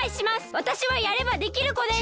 わたしはやればできるこです！